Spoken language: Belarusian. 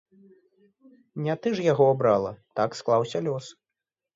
Не ты ж яго абрала, так склаўся лёс.